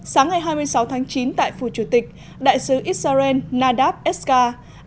sáng ngày hai mươi sáu tháng chín tại phủ chủ tịch đại sứ israel nadav eska